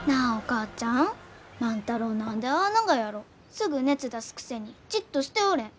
すぐ熱出すくせにじっとしておれん。